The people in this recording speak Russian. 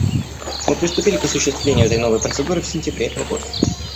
Мы приступили к осуществлению этой новой процедуры в сентябре этого года.